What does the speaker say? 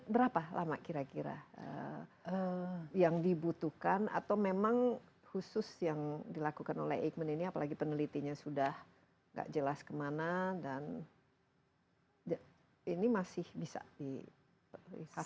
berapa lama kira kira yang dibutuhkan atau memang khusus yang dilakukan oleh eijkman ini apalagi penelitinya sudah tidak jelas kemana dan ini masih bisa disampaikan